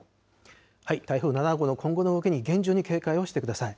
台風７号の今後の動きに厳重に警戒をしてください。